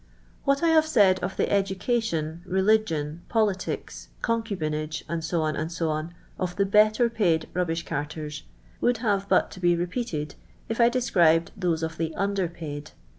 What I have said of the education, religion, politics, concubinage, &c., &c., of the better paid mbbish carters would have but to be repeated, if I described those of the under paid.